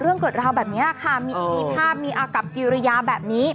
เกิดราวแบบนี้ค่ะมีอีภาพมีอากับกิริยาแบบนี้